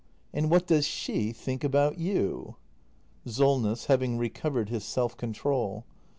And what does she think about you ? SOLNESS. [Having recovered his self control.